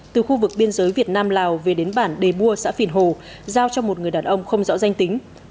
từ khu vực biên giới việt nam lào về đến bản đề bua xã phìn hồ giao cho một người đàn ông không rõ danh tính